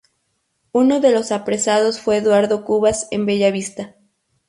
Uno de los apresados fue Eduardo Cubas en Bella Vista.